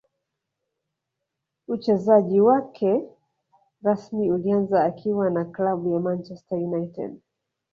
Uchezaji wake rasmi ulianza akiwa na klabu ya Manchester united